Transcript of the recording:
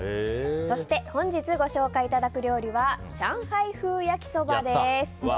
そして本日ご紹介いただく料理は上海風焼きそばです。